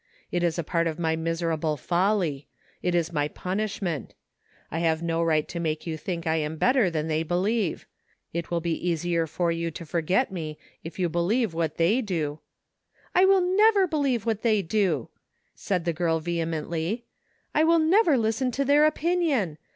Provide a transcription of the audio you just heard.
It is a part of my miserable folly. It is my punishment I have no right to make you think I am better than they believe. It will be easier for you to forget me if you believe what they do '* 84 TBDE FINDING OF JASPER HOLT " I will never believe what they do 1 *' said the girl vehemently, " I will never listen to their opinion